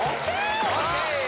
ＯＫ！